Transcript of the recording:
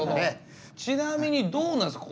ちなみにどうなんですか？